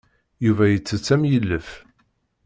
Yuba yettett am yilef.